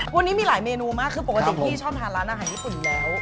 วันนี้มีหลายเมนูมากคือปกติพี่ชอบทานร้านอาหารญี่ปุ่นอยู่แล้ว